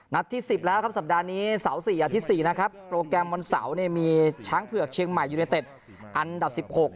ที่๑๐แล้วครับสัปดาห์นี้เสา๔อาทิตย์๔นะครับโปรแกรมวันเสาร์เนี่ยมีช้างเผือกเชียงใหม่ยูเนเต็ดอันดับ๑๖